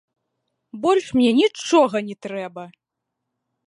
Больш мне нічога не трэба.